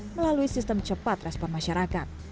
melalui sistem cepat respon masyarakat